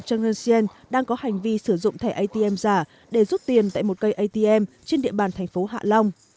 cheng renshien đang có hành vi sử dụng thẻ atm giả để rút tiền tại một cây atm trên địa bàn thành phố hạ long